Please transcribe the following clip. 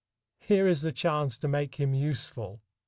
Here is the chance to make him useful.